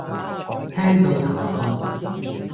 聽到頭痛